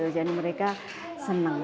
jadi mereka senang